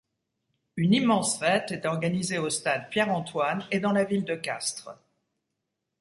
Une immense fête est organisée au Stade Pierre-Antoine et dans la ville de Castres.